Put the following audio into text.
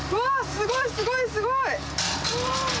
すごいすごいすごい！